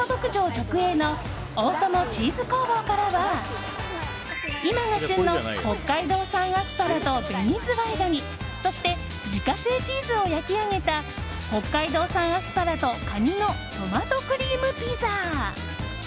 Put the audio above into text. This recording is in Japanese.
直営のおおともチーズ工房からは今が旬の北海道産アスパラとベニズワイガニそして自家製チーズを焼き上げた北海道産アスパラとかにのトマトクリームピザ。